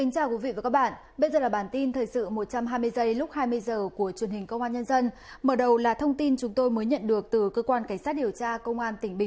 cảm ơn các bạn đã theo dõi